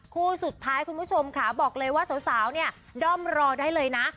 คู่สุดท้ายคุณผู้ชมค่ะบอกเลยว่าสาวเนี่ยด้อมรอได้เลยนะ